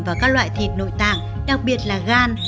và các loại thịt nội tạng đặc biệt là gan